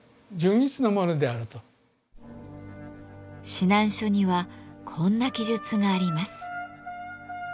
指南書にはこんな記述があります。